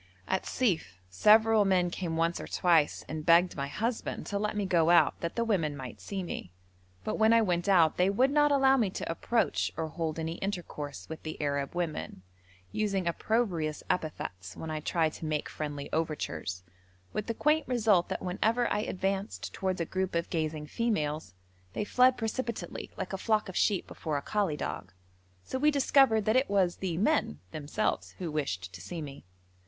At Sief several men came once or twice and begged my husband to let me go out that the women might see me, but when I went out they would not allow me to approach or hold any intercourse with the Arab women, using opprobrious epithets when I tried to make friendly overtures, with the quaint result that whenever I advanced towards a group of gazing females they fled precipitately like a flock of sheep before a collie dog, so we discovered that it was the men themselves who wished to see me.